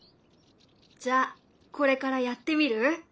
じゃあこれからやってみる？